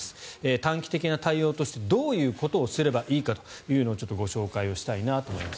短期的な対応としてどういうことをすればいいかというのをご紹介したいと思います。